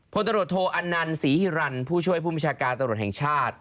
พลตรวจโทอันนันศรีฮิรันผู้ช่วยผู้บัญชาการตำรวจแห่งชาติ